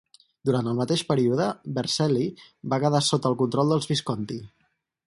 Durant el mateix període Vercelli va quedar sota el control dels Visconti.